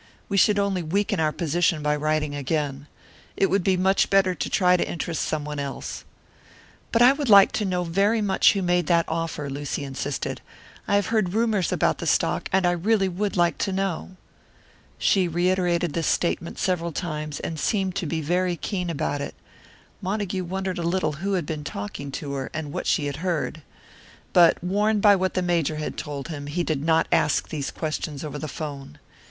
We should only weaken our position by writing again. It would be much better to try to interest someone else." "But I would like to know very much who made that offer," Lucy insisted. "I have heard rumours about the stock, and I really would like to know." She reiterated this statement several times, and seemed to be very keen about it; Montague wondered a little who had been talking to her, and what she had heard. But warned by what the Major had told him, he did not ask these questions over the 'phone.